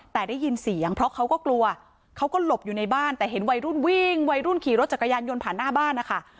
แต่ได้ยินเสียงเพราะเขาก็กลัวเขาก็หลบอยู่ในบ้านแต่เห็นวัยรุ่นวิ่งวัยรุ่นขี่รถจักรยานยนต์ผ่านหน้าบ้านนะคะ